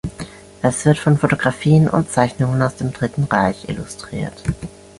Es wird von Fotografien und Zeichnungen aus dem Dritten Reich illustriert.